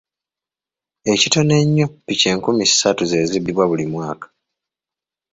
Ekitono ennyo ppikipiki enkumi ssatu ze zibbibwa buli mwaka.